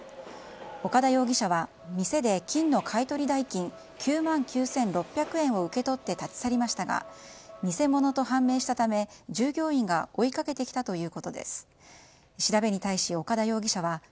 岡田容疑者は店で金の買い取り代金９万９６００円を受け取って立ち去りましたが偽物と判明したため、従業員がハミガキ選びはここに注目！